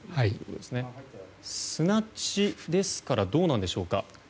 砂地ですからどうなんでしょうか。